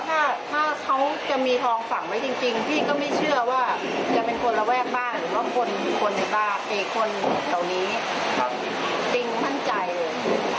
ถ้าถ้าเขาจะมีทองฝังไว้จริงพี่ก็ไม่เชื่อว่าจะเป็นคนระแวกบ้านหรือว่าคนในบ้านเอกคนเหล่านี้จริงมั่นใจเลย